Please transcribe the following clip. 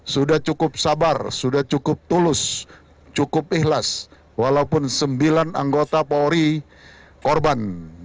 sudah cukup sabar sudah cukup tulus cukup ikhlas walaupun sembilan anggota polri korban